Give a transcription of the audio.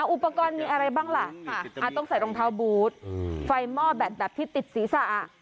อุปกรณ์มีอะไรบ้างล่ะต้องใส่รองเท้าบูธไฟหม้อแบตแบบที่ติดศีรษะ